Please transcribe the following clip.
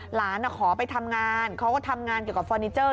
หลานขอไปทำงานเขาก็ทำงานเกี่ยวกับฟอร์นิเจอร์